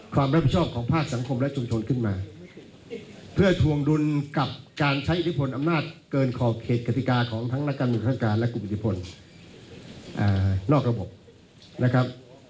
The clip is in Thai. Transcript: ความรับผิดชอบของภาคสังคมและชุมชนขึ้นมาเพื่อทวงดุลกับการใช้อิทธิพลอำนาจเกินขอบเขตกติกาของทั้งนักการเมืองทั้งการและกลุ่มอิทธิพลนอกระบบนะครับ